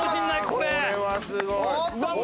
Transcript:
これはすごい！